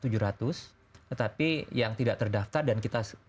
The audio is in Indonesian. betapi yang tidak terdaftar dan kita tidak ada